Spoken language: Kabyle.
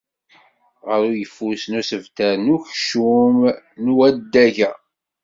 Ɣer uyeffus n usebter n unekcum n wadeg-a.